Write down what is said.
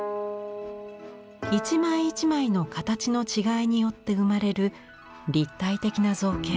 一枚一枚の形の違いによって生まれる立体的な造形。